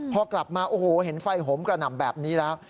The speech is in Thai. พอกลับมาโอ้โหเห็นไฟโหมกระหน่ำแบบนี้แล้ว